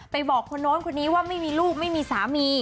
บอกคนโน้นคนนี้ว่าไม่มีลูกไม่มีสามี